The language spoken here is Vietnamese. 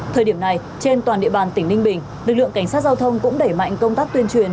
thời điểm này trên toàn địa bàn tỉnh ninh bình lực lượng cảnh sát giao thông cũng đẩy mạnh công tác tuyên truyền